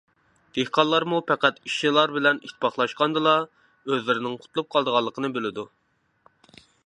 دېھقانلارمۇ پەقەت ئىشچىلار بىلەن ئىتتىپاقلاشقاندىلا، ئۆزلىرىنىڭ قۇتۇلۇپ قالىدىغانلىقىنى بىلىدۇ.